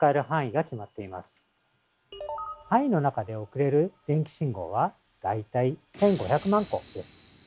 範囲の中で送れる電気信号は大体１，５００万個です。